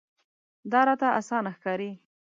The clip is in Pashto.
دا راته اسانه ښکاري.